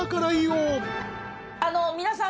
皆さん。